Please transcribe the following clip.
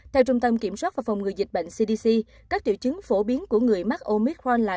theo trung tâm kiểm soát và phòng ngừa dịch bệnh cdc các tiểu chứng phổ biến của người mắc omicron là